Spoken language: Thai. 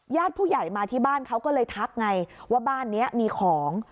ผู้ใหญ่มาที่บ้านเขาก็เลยทักไงว่าบ้านนี้มีของ